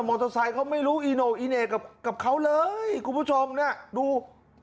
มอเตอร์ไซค์เขาไม่รู้อีโน่อีเหน่กับเขาเลยคุณผู้ชมเนี่ยดู